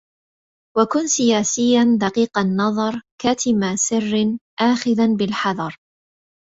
وكن سياسيا دقيق النظرِ كاتمَ سِرٍّ آخذا بالحذَرِ